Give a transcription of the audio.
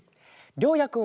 りょうやくん。